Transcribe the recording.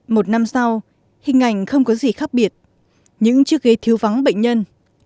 một năm sau hình ảnh không có gì khác biệt những chiếc ghế thiếu vắng bệnh nhân